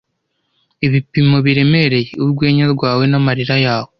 Ibipimo biremereye! - Urwenya rwawe n'amarira yawe